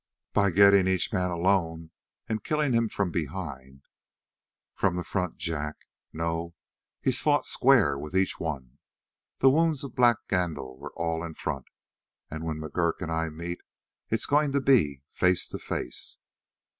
"By getting each man alone and killing him from behind." "From the front, Jack. No, he's fought square with each one. The wounds of Black Gandil were all in front, and when McGurk and I meet it's going to be face to face."